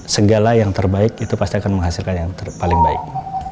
segala yang terbaik itu pasti akan menghasilkan yang paling baik